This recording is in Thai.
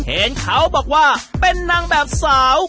เห็นเค้าบอกว่าเป็นนางแบบเศร้า